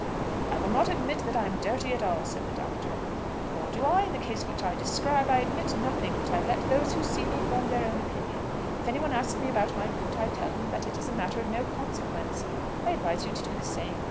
"I will not admit that I am dirty at all," said the Doctor. "Nor do I, in the case which I describe. I admit nothing; but I let those who see me form their own opinion. If any one asks me about my boot I tell him that it is a matter of no consequence. I advise you to do the same.